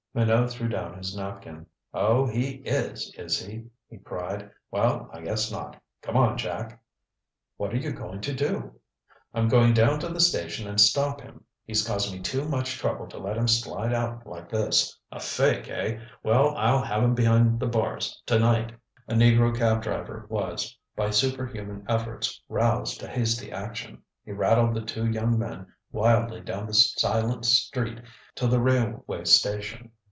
Minot threw down his napkin. "Oh, he is, is he?" he cried. "Well, I guess not. Come on, Jack." "What are you going to do?" "I'm going down to the station and stop him. He's caused me too much trouble to let him slide out like this. A fake, eh? Well, I'll have him behind the bars to night." A negro cab driver was, by superhuman efforts, roused to hasty action. He rattled the two young men wildly down the silent street to the railway station.